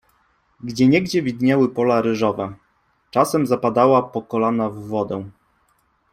Gdzieniegdzie widniały pola ryżowe, czasem zapadała po kolana w wodę.